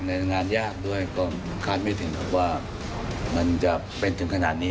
ในงานยากด้วยก็คาดไม่ถึงครับว่ามันจะเป็นถึงขนาดนี้